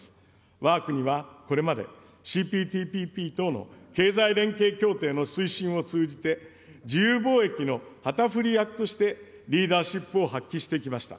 わが国はこれまで、ＣＰＴＰＰ等の経済連携協定の推進を通じて、自由貿易の旗振り役としてリーダーシップを発揮してきました。